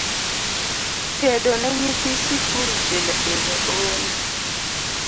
Tedo ne nyithi sikul pilepile oola